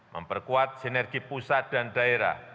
memperkuat sinergi pusat dan daerah